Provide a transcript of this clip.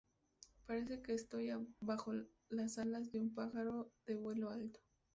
Parece que estoy bajo las alas de un pájaro de vuelo alto".